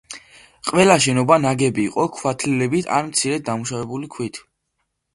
ყველა შენობა ნაგები იყო ქვათლილებით ან მცირედ დამუშავებული ქვით.